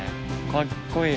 かっこいい！